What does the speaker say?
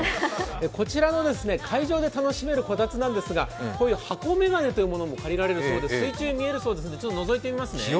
こちらの海上で楽しめるこたつなんですがこういう箱眼鏡と言われるもので水中が見えるそうですので、ちょっとのぞいてみますね。